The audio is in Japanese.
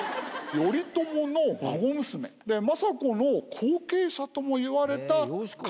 頼朝の孫娘で政子の後継者ともいわれた。